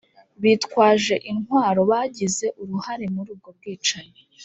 bitwaje intwaro bagize uruhare muri ubwo bwicanyi